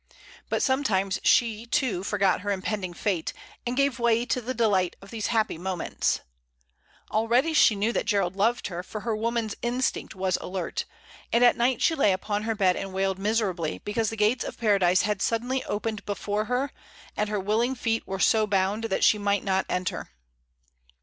But sometimes she, too, forgot her impending fate, and gave way to the delight of these happy moments. Already she knew that Gerald loved her, for her woman's instinct was alert, and at night she lay upon her bed and wailed miserably because the gates of paradise had suddenly opened before her, and her willing feet were so bound that she might not enter.